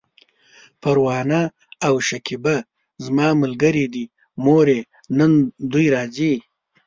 پروانه او شکيبه زما ملګرې دي، مورې! نن دوی راځي!